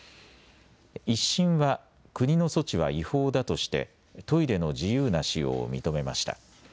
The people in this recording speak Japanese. １審は国の措置は違法だとしてトイレの自由な使用を認めました。